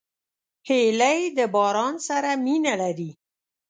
هیلۍ د باران سره مینه لري